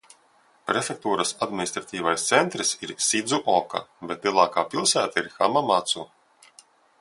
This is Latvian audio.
Prefektūras administratīvais centrs ir Sidzuoka, bet lielākā pilsēta ir Hamamacu.